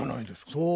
そう。